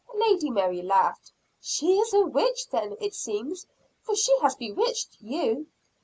Lady Mary laughed. "She is a witch then, it seems; for she has bewitched you."